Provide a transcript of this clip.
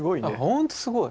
ほんとすごい。